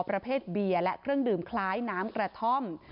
ประเภทเบียร์และเครื่องดื่มคล้ายน้ำกระท่อม